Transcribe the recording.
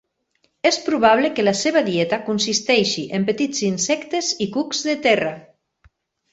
És probable que la seva dieta consisteixi en petits insectes i cucs de terra.